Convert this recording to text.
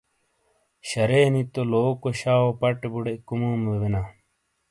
شرے نی تو لوکو شاؤپٹے بُٹے کُمومے بینا۔